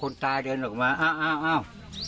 คนตายเดินออกมาเอ้า